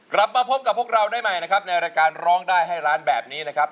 กลับมาพบกับพวกเราได้ใหม่นะครับในรายการร้องได้ให้ร้านแบบนี้นะครับ